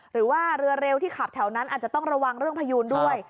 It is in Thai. หรือว่าเรือเร็วที่ขับแถวนั้นอาจจะต้องระวังเรื่องพยูนด้วย